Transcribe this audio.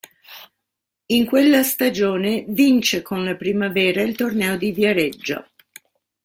In quella stagione, vince con la Primavera il Torneo di Viareggio.